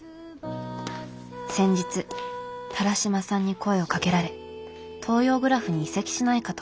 「先日田良島さんに声をかけられ東洋グラフに移籍しないかと誘いを受けました」。